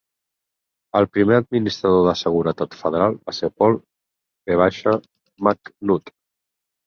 El primer Administrador de Seguretat Federal va ser Paul V. McNutt.